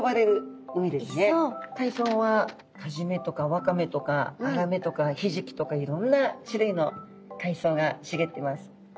海藻はカジメとかワカメとかアラメとかヒジキとかいろんな種類の海藻がしげってます。